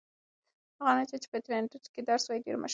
هغه نجلۍ چې په انټرنيټ کې درس وایي ډېره مشهوره ده.